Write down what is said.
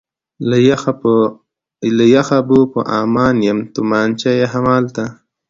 له یخه به په امان یم، تومانچه یې همالته.